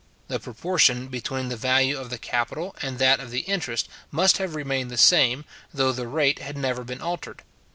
The proportion between the value of the capital and that of the interest must have remained the same, though the rate had never been altered.